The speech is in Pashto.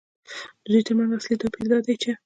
د دوی ترمنځ اصلي توپیر دا دی چې